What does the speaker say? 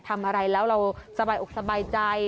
ทำอะไรแล้วเราสบายอกสบายใจ